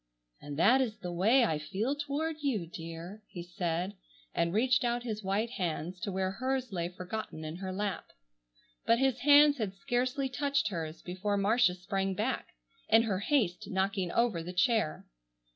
"And that is the way I feel toward you, dear," he said, and reached out his white hands to where hers lay forgotten in her lap. But his hands had scarcely touched hers, before Marcia sprang back, in her haste knocking over the chair.